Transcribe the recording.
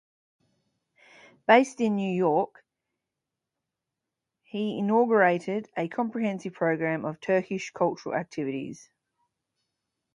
Based in New York, he inaugurated a comprehensive program of Turkish cultural activities.